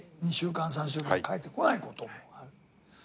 ２週間３週間帰ってこないこともある。